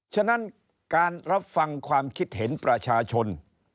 ฉะนั้นการรับฟังความคิดเห็นประชาชน